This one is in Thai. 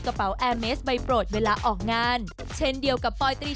กระเป๋าแอร์เมสใบโปรดเวลาออกงานเช่นเดียวกับปอยตรี